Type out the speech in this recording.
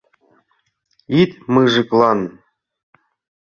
Ит мыжыклан!